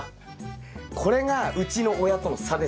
これがうちの親との差です。